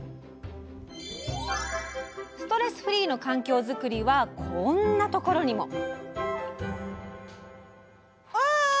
ストレスフリーの環境づくりはこんなところにも！